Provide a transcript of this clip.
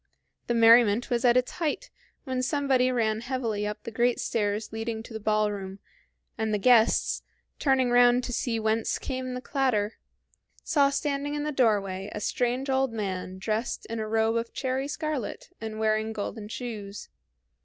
The merriment was at its height when somebody ran heavily up the great stairs leading to the ballroom, and the guests, turning round to see whence came the clatter, saw standing in the doorway a strange old man dressed in a robe of cherry scarlet and wearing golden shoes.